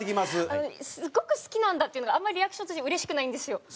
すごく好きなんだっていうのがあんまりリアクションとしては嬉しくないんですよ。